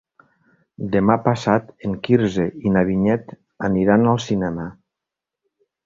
Demà passat en Quirze i na Vinyet aniran al cinema.